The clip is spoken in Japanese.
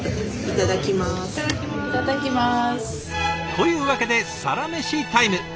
というわけでサラメシタイム！